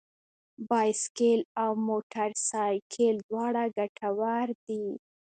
بايسکل او موټر سايکل دواړه ګټور دي.